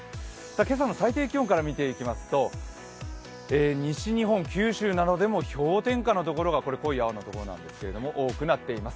今朝の最低気温から見ていきますと、西日本、九州などでも氷点下の所、濃い青の所ですが多くなっています。